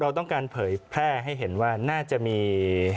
เราต้องการเผยแพร่ให้เห็นว่าน่าจะมี